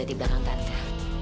di belakang tante